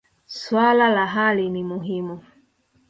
Swala la hali ni muhimu.